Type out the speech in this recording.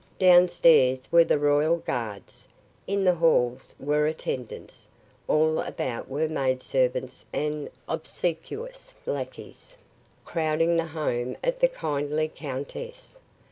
Downstairs were the royal guards; in the halls were attendants; all about were maidservants and obsequious lackeys, crowding the home of the kindly countess.